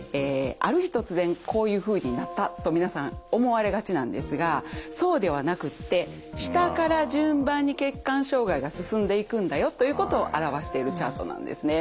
ある日突然こういうふうになったと皆さん思われがちなんですがそうではなくって下から順番に血管障害が進んでいくんだよということを表しているチャートなんですね。